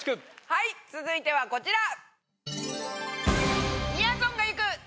はい続いてはこちら！